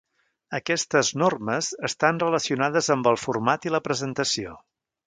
Aquestes normes estan relacionades amb el format i la presentació.